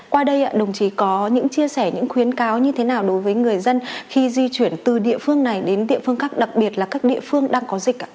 qua đây đồng chí có những chia sẻ những khuyến cáo như thế nào đối với người dân khi di chuyển từ địa phương này đến địa phương khác đặc biệt là các địa phương đang có dịch